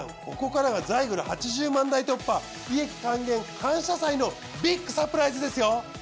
ここからがザイグル８０万台突破利益還元感謝祭のビッグサプライズですよ。